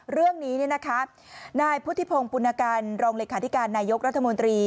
เรื่องนี้นายพุทธิพงศ์ปุณกันรองเลขาธิการนายกรัฐมนตรี